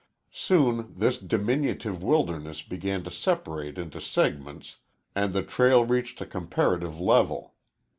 Soon this diminutive wilderness began to separate into segments and the trail reached a comparative level.